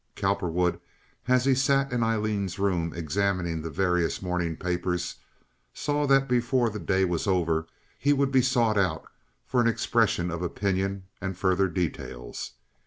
Cowperwood, as he sat in Aileen's room examining the various morning papers, saw that before the day was over he would be sought out for an expression of opinion and further details.